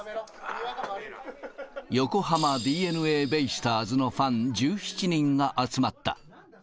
横浜ＤｅＮＡベイスターズのファン１７人が集まった。